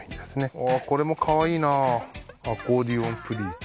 あこれもかわいいなアコーディオンプリーツ